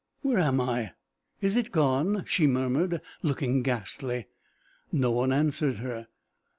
"Where am I? Is it gone?" she murmured, looking ghastly. No one answered her.